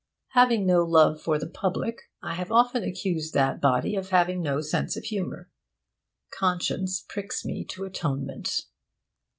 Having no love for the public, I have often accused that body of having no sense of humour. Conscience pricks me to atonement.